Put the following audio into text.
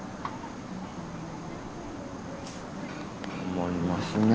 思いますね。